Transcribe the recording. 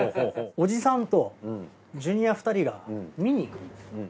おじさんとジュニア２人が見にいくんです。